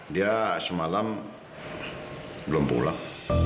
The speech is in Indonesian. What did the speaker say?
dia semalam belum pulang